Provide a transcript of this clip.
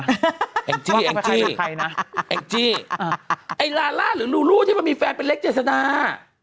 แองจี้แองจี้ใครนะแองจี้ไอ้ลาล่าหรือลูลูที่มันมีแฟนเป็นเล็กเจษดา